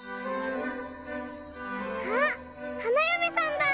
・あっ花嫁さんだ。